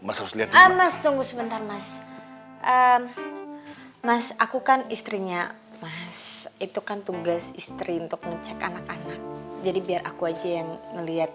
mas aku kan istrinya itu kan tugas istri untuk mengecek anak anak jadi biar aku aja yang melihat